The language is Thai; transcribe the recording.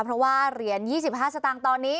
เพราะว่าเหรียญ๒๕สตางค์ตอนนี้